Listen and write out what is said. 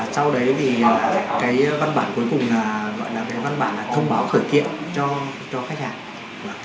sau đấy thì cái văn bản cuối cùng là gọi là cái văn bản là thông báo khởi kiện cho khách hàng